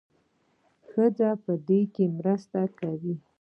ښځې په دې کې مرسته کوي.